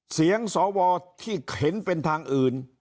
เสียงสวที่เห็นเป็นทางอื่น